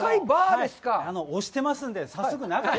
押してますんで、早速、中へ。